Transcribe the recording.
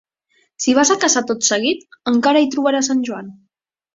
Si vas a casa tot seguit, encara hi trobaràs en Joan.